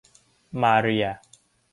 มาเรีย